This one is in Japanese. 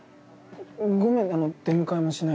ごめんあの出迎えもしないで。